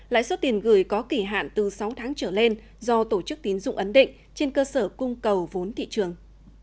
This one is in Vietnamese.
lãi suất tiền gửi có kỳ hạn từ sáu tháng trở lên do tổ chức tín dụng ấn định trên cơ sở cung cầu vốn thị trường